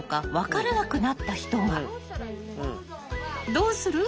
どうする？